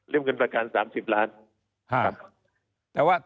เงินประกัน๓๐ล้าน